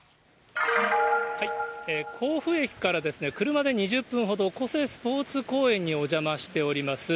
甲府駅から車で２０分ほど、小瀬スポーツ公園にお邪魔しております。